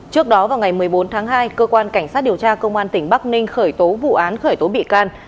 trước đó vào ngày một mươi bốn tháng hai cơ quan cảnh sát điều tra công an tỉnh bắc ninh khởi tố vụ án khởi tố bị can